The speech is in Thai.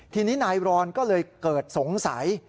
ทีนี้นายรอนก็เลยเกิดสงสัย